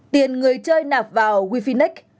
tiền người chơi nạp vào wefinex